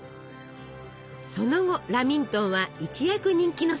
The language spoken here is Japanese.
その後ラミントンは一躍人気のスイーツに！